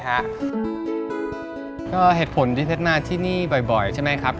ก็เหตุผลที่เพชรมาที่นี่บ่อยใช่ไหมครับ